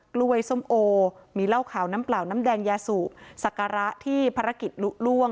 กล้วยส้มโอมีเหล้าขาวน้ำเปล่าน้ำแดงยาสุศักระที่ภารกิจลุล่วง